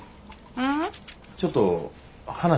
うん。